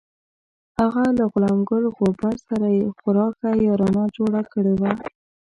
هغه له غلام ګل غوبه سره یې خورا ښه یارانه جوړه کړې وه.